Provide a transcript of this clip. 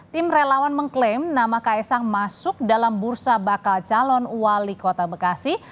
tim relawan mengklaim nama kaisang masuk dalam bursa bakal calon wali kota bekasi